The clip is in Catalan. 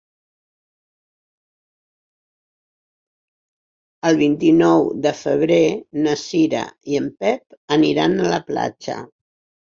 El vint-i-nou de febrer na Cira i en Pep aniran a la platja.